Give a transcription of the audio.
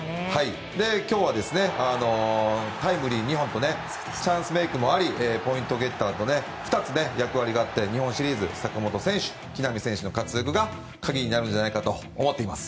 今日はタイムリー２本とチャンスメイクもありポイントゲッターとしても２つ役割があって日本シリーズは坂本選手と木浪選手の活躍が鍵になるのではないかと思っています。